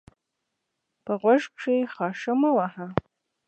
په غوږ کښي خاشه مه وهه!